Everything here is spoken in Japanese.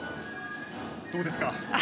どうですか。